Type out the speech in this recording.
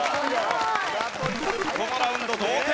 このラウンド同点。